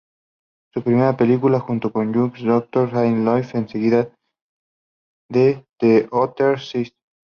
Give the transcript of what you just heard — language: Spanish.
Su primera película juntos fue "Young Doctors in Love" seguida de "The Other Sister".